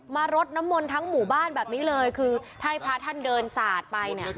รดน้ำมนต์ทั้งหมู่บ้านแบบนี้เลยคือถ้าให้พระท่านเดินสาดไปเนี่ย